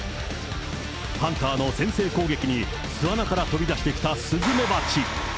ハンターの先制攻撃に、巣穴から飛び出してきたスズメバチ。